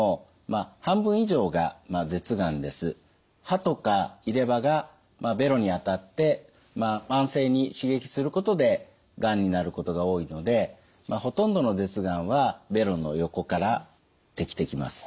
歯とか入れ歯がべろに当たって慢性に刺激することでがんになることが多いのでほとんどの舌がんはべろの横からできてきます。